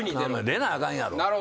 出なあかんやろと。